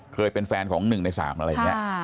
เคยเป็นแฟนของหนึ่งในสามอะไรอย่างนี้